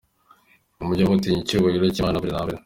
Mujye mutinya Icyubahiro cyimana mbere na mbere.